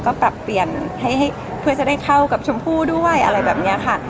ก็ปรับเปลี่ยนให้เพื่อจะได้เข้ากับชมพู่ด้วยอะไรแบบนี้ค่ะ